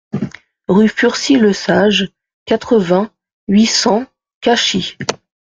Rue Fursy Lesage, quatre-vingts, huit cents Cachy